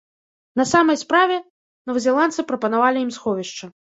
На самай справе, новазеландцы прапанавалі ім сховішча.